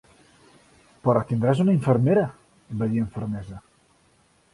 "Però tindràs una infermera", va dir amb fermesa.